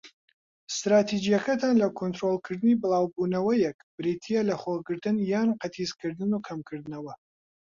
ستراتیجیەتەکان لە کۆنترۆڵکردنی بڵاوبوونەوەیەک بریتیە لە لەخۆگرتن یان قەتیسکردن، و کەمکردنەوە.